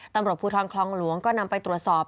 ตำรวจภูทรคลองหลวงก็นำไปตรวจสอบ